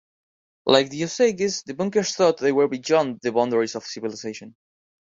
Like the Osages, the Bunkers thought they were beyond the boundaries of civilization.